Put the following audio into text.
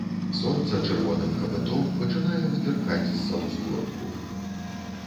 Сонца чырвоным капытом пачынае вытыркаць з-за ўзгорку.